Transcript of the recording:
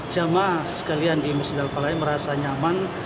jemaat sekalian di masjid al falah ini merasa nyaman